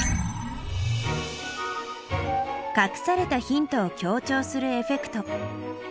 かくされたヒントを強調するエフェクト。